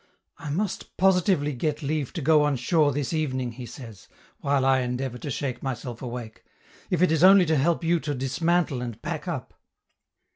"I must positively get leave to go on shore this evening," he says, while I endeavor to shake myself awake, "if it is only to help you to dismantle and pack up."